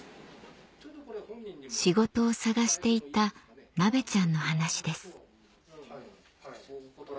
仕事を探していたナベちゃんの話です